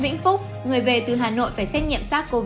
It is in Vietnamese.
vĩnh phúc người về từ hà nội phải xét nghiệm sars cov hai